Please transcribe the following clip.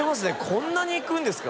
こんなに行くんですか？